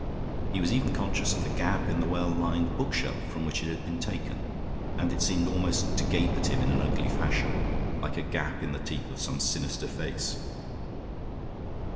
He was even conscious of the gap in the well lined bookshelf from which it had been taken, and it seemed almost to gape at him in an ugly fashion, like a gap in the teeth of some sinister face.